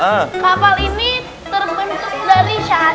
kapal ini terbentuk dari syarat